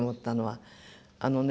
あのね